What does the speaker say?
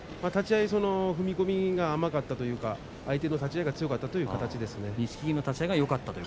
立ち合い、踏み込みが甘かったというか相手の立ち合いが強かったということですね。